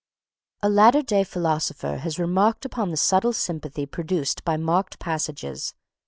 A latter day philosopher has remarked upon the subtle sympathy produced by marked passages.